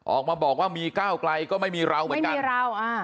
ออกมาบอกว่ามีก้าวไกลก็ไม่มีเราเหมือนกันมีเราอ่า